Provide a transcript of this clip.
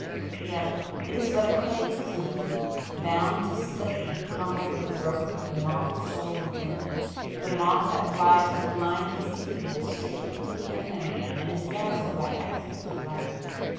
Yet it is but a clay chrysalis, bound to split and crumble with the growth of the moth soul within,—the moth that flies with blind instinctiveness straight into the Unknown, and is dazzled by excess of light!